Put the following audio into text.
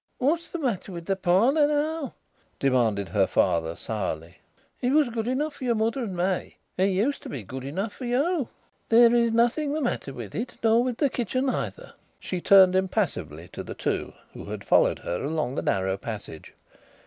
"What's the matter with the parlour now?" demanded her father sourly. "It was good enough for your mother and me. It used to be good enough for you." "There is nothing the matter with it, nor with the kitchen either." She turned impassively to the two who had followed her along the narrow passage.